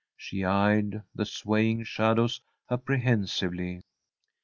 She eyed the swaying shadows apprehensively.